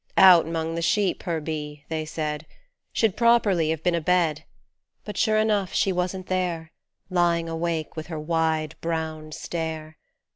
" Out 'mong the sheep, her be," they said, 'Should properly have been abed ; But sure enough she wasn't there Lying awake with her wide brown stare.